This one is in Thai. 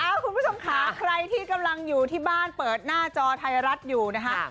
คุณผู้ชมค่ะใครที่กำลังอยู่ที่บ้านเปิดหน้าจอไทยรัฐอยู่นะคะ